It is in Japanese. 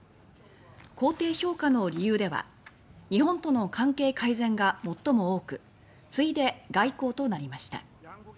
肯定評価の理由では「日本との関係改善」が最も多く次いで「外交」となりました。